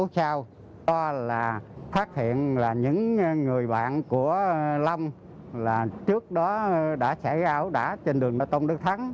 sau đó là phát hiện là những người bạn của long là trước đó đã chạy ảo đã trên đường đà tông đức thắng